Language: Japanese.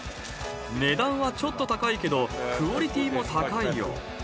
値段はちょっと高いけど、クオリティーも高いよ。